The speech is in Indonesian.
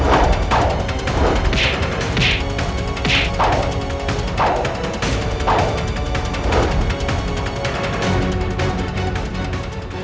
aku akan mencintai rangga soka